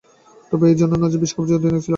তবে এ জন্য না যে, বিশ্বকাপজয়ী অধিনায়ক ছিলাম।